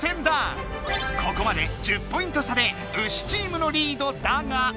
ここまで１０ポイント差でウシチームのリードだが。